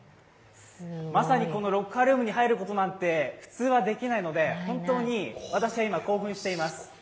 まさにこのロッカールームに入ることなんて普通はできないので、本当に私は今、興奮しています。